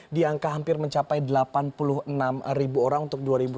di angka hampir mencapai delapan puluh enam ribu orang untuk dua ribu dua puluh